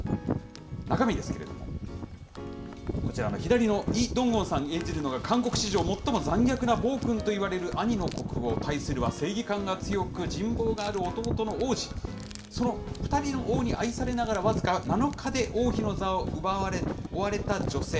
中身ですけれども、こちらの左のイ・ドンゴンさん演じるのが、韓国史上もっとも残虐な暴君といわれる兄の国王、対するは正義感が強く人望がある弟の王子、その２人の王に愛されながら僅か７日で王妃の座を奪われ追われた女性。